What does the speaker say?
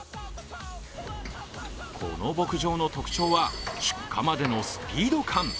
この牧場の特徴は、出荷までのスピード感。